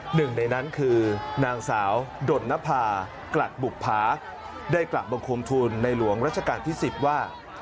หนึ่งในนั้นคือนางสาวดนภากลัดบุภาได้กลับบังคมทุนในหลวงรัชกาลที่๑๐ว่า